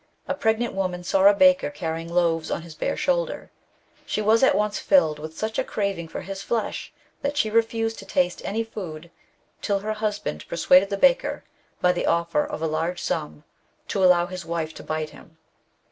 A pregnant woman saw a baker carrying loaves on his bare shoulder. She was at once filled with such a craving for his flesh that she refused to taste any food till her husband persuaded the baker, by the ofler of a large sum, to allow his wife to bite him.